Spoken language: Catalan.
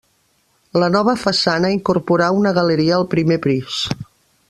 La nova façana incorporà una galeria al primer pis.